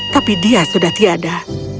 tapi dia sudah tiada